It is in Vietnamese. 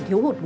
đến tháng bảy